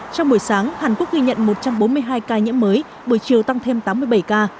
trong buổi sáng hàn quốc ghi nhận một trăm bốn mươi hai ca nhiễm mới buổi chiều tăng thêm tám mươi bảy ca